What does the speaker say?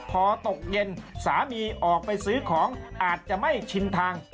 พอตกเย็นสามีออกไปซื้อของอาจจะไม่ชินทาง